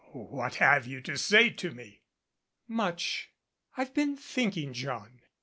"What have you to say to me?" "Much. I've been thinking, John.